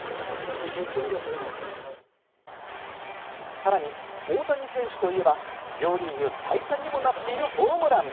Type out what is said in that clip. さらに大谷選手といえば、両リーグ最多にもなっているホームラン。